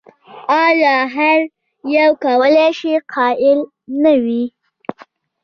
ایا هر یو کولای شي قایل نه وي؟